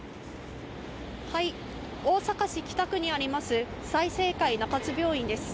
大阪市北区にあります、済生会中津病院です。